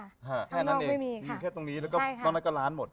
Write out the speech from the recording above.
แค่นั้นเองมีแค่ตรงนี้แล้วก็นอกนั้นก็ล้านหมด